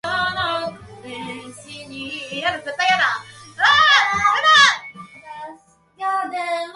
海賊王になる